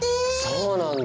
そうなんだ！